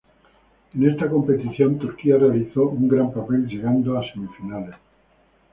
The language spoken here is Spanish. En esta competición Turquía realizó un gran papel llegando a semifinales.